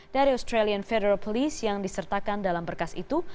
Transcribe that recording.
dari australian federal police yang disertakan dalam berkas itu